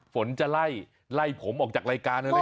ฝนจะไล่ผมออกจากรายการเลย